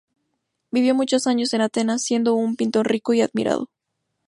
Vivió muchos años en Atenas, siendo un pintor rico y admirado.